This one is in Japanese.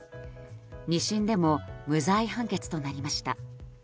２審でも無罪判決となりました。